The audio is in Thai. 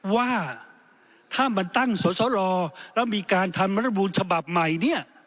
ว่าถ้ามันตั้งสอสลแล้วมีการทำรัฐบูลฉบับใหม่เนี่ย